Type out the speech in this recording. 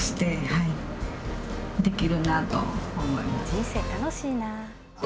人生楽しいな。